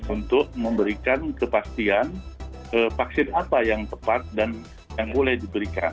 untuk memberikan kepastian vaksin apa yang tepat dan yang boleh diberikan